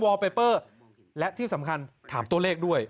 ไปเปอร์และที่สำคัญถามตัวเลขด้วย